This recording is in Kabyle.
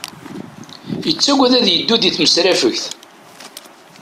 Yettaggad ad yeddu di tmesrafegt